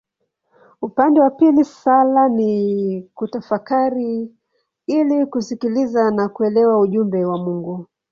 Upande wa pili sala ni kutafakari ili kusikiliza na kuelewa ujumbe wa Mungu.